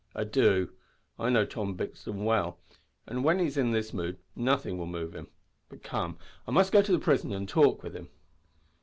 "I do. I know Tom Brixton well, and when he is in this mood nothing will move him. But, come, I must go to the prison and talk with him."